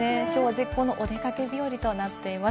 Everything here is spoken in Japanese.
絶好のお出かけ日和となっています。